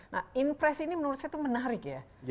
nah impresi ini menurut saya menarik ya